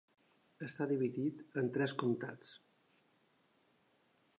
Està dividit en tres comtats: